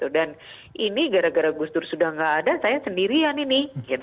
ini gara gara gus dur sudah nggak ada saya sendirian ini